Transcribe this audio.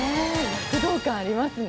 躍動感ありますね。